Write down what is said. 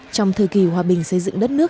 trong thời kỳ hòa bình xây dựng đất nước